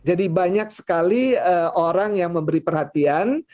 jadi banyak sekali orang yang memberi perhatian